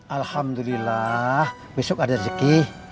alhamdulillah besok ada rezeki